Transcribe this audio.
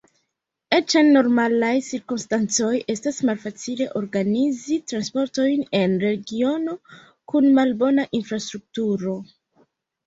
Eĉ en normalaj cirkonstancoj estas malfacile organizi transportojn en regiono kun malbona infrastrukturo.